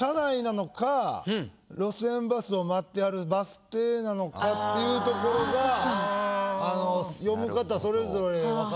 路線バスを待ってはるバス停なのかっていうところがあの読む方それぞれ分かれるのか。